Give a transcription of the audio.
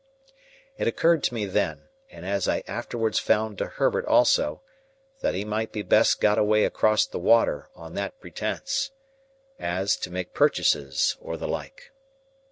It occurred to me then, and as I afterwards found to Herbert also, that he might be best got away across the water, on that pretence,—as, to make purchases, or the like.